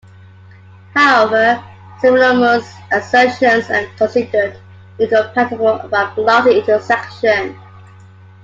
However, synonymous assertions are considered incompatible by a policy intersection.